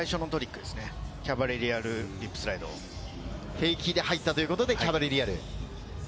フェイキーで入ったということでキャバレリアル。